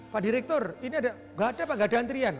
pak direktur ini ada enggak ada pak enggak ada antrian